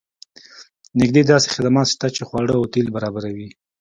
نږدې داسې خدمات شته چې خواړه او تیل برابروي